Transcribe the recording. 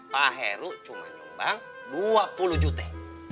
pak heru cuma nyumbang dua puluh juta